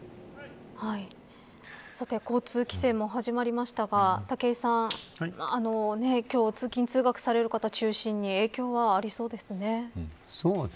さて交通規制も始まりましたが武井さん、今日通勤通学される方、中心にそうですね。